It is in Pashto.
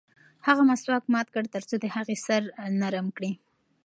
هغه مسواک مات کړ ترڅو د هغې سر نرم کړي.